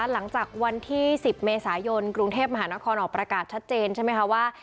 หลังจากวันที่๑๐เมษายนกรุงเทพมหานครออกประกาศชัดเจนใช่ไหมคะว่า